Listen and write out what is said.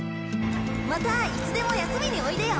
またいつでも休みにおいでよ！